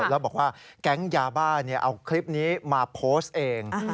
แล้วบอกว่าแก๊งยาบ้าเอาคลิปนี้มาโพสต์เอง